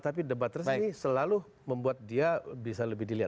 tapi debat tersebut selalu membuat dia bisa lebih dipercaya